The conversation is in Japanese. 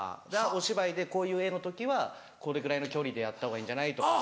お芝居でこういう絵の時はこれぐらいの距離でやったほうがいいんじゃない？とか。